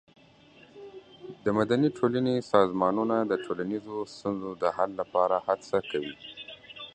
د مدني ټولنې سازمانونه د ټولنیزو ستونزو د حل لپاره هڅه کوي.